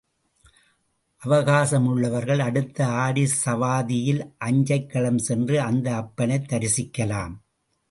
அவகாசம் உள்ளவர்கள் அடுத்த ஆடிசவாதியில் அஞ்சைக்களம் சென்று அந்த அப்பனைத் தரிசிக்கலாம்.